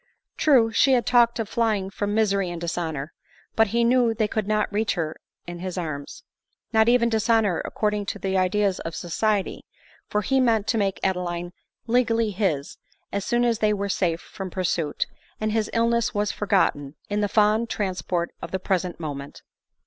True, she had talked of fly ing from misery and dishonor ; but he knew they could not reach her in his arms — not even dishonor according to the ideas of society — for he meant to make Adeline le gally his as soon as they were safe from pursuit, and his illness was forgotten in the fond transport of the present moment.